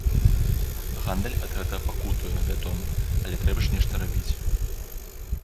Гандаль ад гэтага пакутуе, вядома, але трэба ж нешта рабіць!